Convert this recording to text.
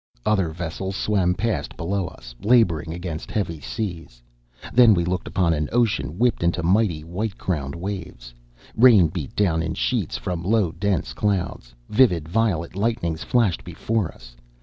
Other vessels swam past below us, laboring against heavy seas. Then we looked upon an ocean whipped into mighty white crowned waves. Rain beat down in sheets from low dense clouds; vivid violet lightnings flashed before us.